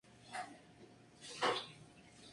Su adaptación al español fue hecha por Carlos Luengo.